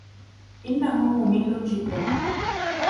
إنه ممل جدا.